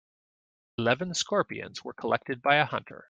Eleven scorpions were collected by a hunter.